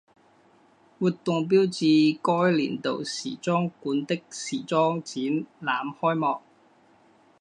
活动标志该年度时装馆的时装展览开幕。